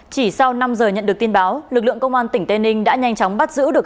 chỉ sau năm giờ nhận được tin báo lực lượng công an tỉnh tây ninh đã nhanh chóng bắt giữ được